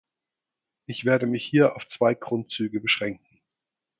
Ich werde mich hier auf zwei Grundzüge beschränken.